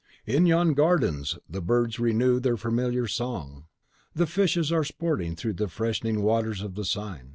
In yon gardens the birds renew their familiar song. The fishes are sporting through the freshening waters of the Seine.